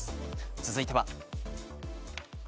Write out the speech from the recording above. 続いては。